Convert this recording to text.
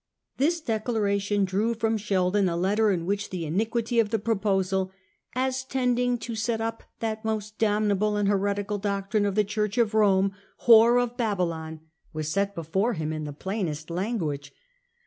This declara tion drew from Sheldon a letter in which the iniquity of the proposal, 'as tending to set up that most damnable and heretical doctrine of the Church of Rome, whore of Babylon,' was set before him in the plainest language.